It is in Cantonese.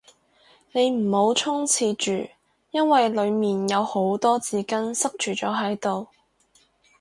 你唔好衝廁住，因為裏面有好多紙巾塞住咗喺度